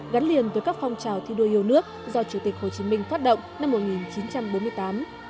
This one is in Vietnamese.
gắn liền với các phong trào thi đua yêu nước do chủ tịch hồ chí minh phát động năm một nghìn chín trăm bốn mươi tám